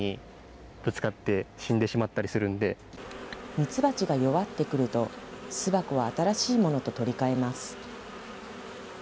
ミツバチが弱ってくると、巣箱は新しいものと取りかえます。